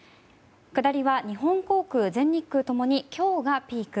下りは日本航空、全日空ともに今日がピーク。